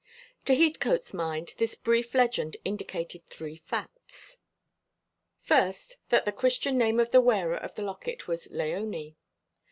To Heathcote's mind this brief legend indicated three facts. First, that the Christian name of the wearer of the locket was Léonie.